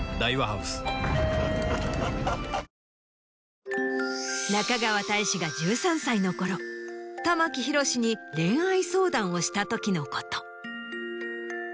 ハッハッハッハ中川大志が１３歳の頃玉木宏に恋愛相談をした時のこと。